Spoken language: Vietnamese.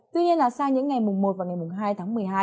tuy nhiên là sang những ngày mùng một và ngày mùng hai tháng một mươi hai